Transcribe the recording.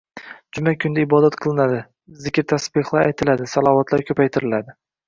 Juma kunda ibodat qilinadi, zikr-tasbehlar aytiladi, salavotlar ko‘paytiriladi.